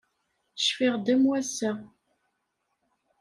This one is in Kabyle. Cfiɣ-d am wass-a.